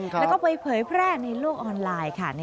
แล้วก็ไปเผยแพร่ในโลกออนไลน์ค่ะ